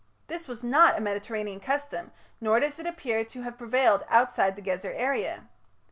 This was not a Mediterranean custom, nor does it appear to have prevailed outside the Gezer area.